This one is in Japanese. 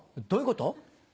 どういうこと？